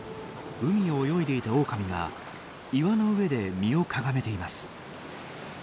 海を泳いでいたオオカミが岩の上で身をかがめています。